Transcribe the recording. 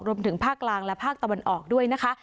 รวมถึงภาคกลางและภาคตะวันออกด้วยนะคะ